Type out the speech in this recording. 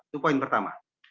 itu poin pertama